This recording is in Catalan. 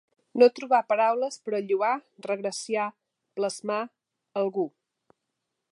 No trobar paraules per a lloar, regraciar, blasmar, algú.